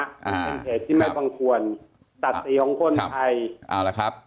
เป็นเหตุที่ไม่ควรตัดสีของคนไทย